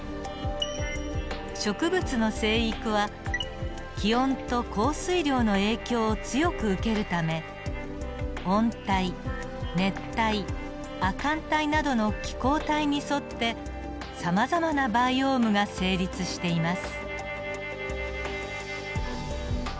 植物の生育は気温と降水量の影響を強く受けるため温帯熱帯亜寒帯などの気候帯に沿ってさまざまなバイオームが成立しています。